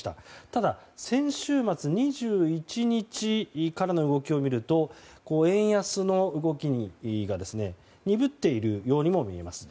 ただ、先週末２１日からの動きを見ると円安の動きが鈍っているようにも見えます。